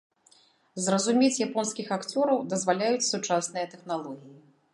Зразумець японскіх акцёраў дазваляюць сучасныя тэхналогіі.